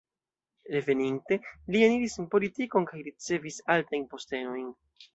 Reveninte, li eniris en politikon kaj ricevis altajn postenojn.